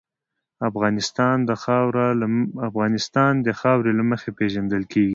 افغانستان د خاوره له مخې پېژندل کېږي.